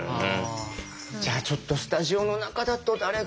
じゃあちょっとスタジオの中だと誰が向いてる。